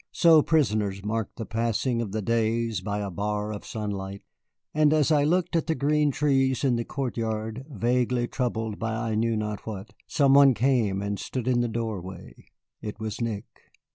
So prisoners mark the passing of the days by a bar of sun light. And as I looked at the green trees in the courtyard, vaguely troubled by I knew not what, some one came and stood in the doorway. It was Nick.